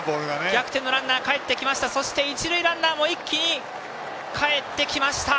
逆転のランナーがかえってきてそして一塁ランナーも一気にかえってきました。